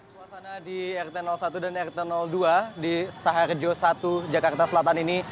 selamat pagi dika bagaimana suasana di rt satu dan rt dua di saharjo satu jakarta selatan ini